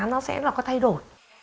nó sẽ có thay đổi